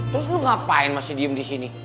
terus lu ngapain masih diem disini